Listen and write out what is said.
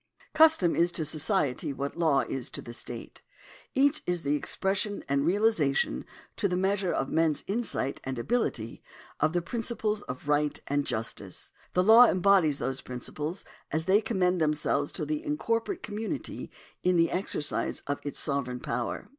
Custom is to society what law is to the state. Each is the expression and realisation, to the measure of men's insight 1 Blackstone, I. 6.3. § 5G] CUSTOM 145 and ability, of the principles of right and justice. The law embodies those principles as they commend themselves to the incorporate community in the exercise of its sovereign power.